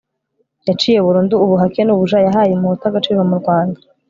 yaciye burundu ubuhake n'ubuja; yahaye umuhutu agaciro mu rwanda